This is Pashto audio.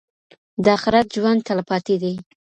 د آخرت ژوند تلپاتې دی.